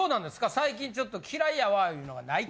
最近ちょっと「嫌いやわ」いうのがないと。